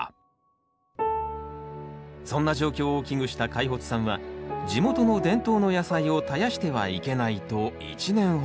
そんな状況を危惧した開發さんは地元の伝統の野菜を絶やしてはいけないと一念発起。